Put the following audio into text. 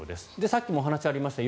さっきもお話ありました